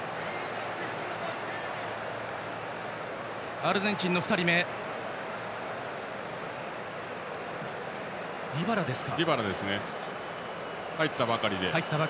アルゼンチンの２人目はディバラですか。